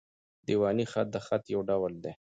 دېواني خط؛ د خط یو ډول دﺉ.